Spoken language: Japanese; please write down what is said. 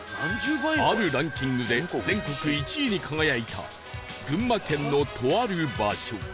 あるランキングで全国１位に輝いた群馬県のとある場所